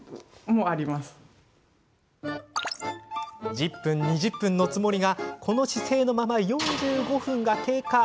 １０分、２０分のつもりがこの姿勢のまま４５分が経過。